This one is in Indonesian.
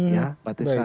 ya pak tisa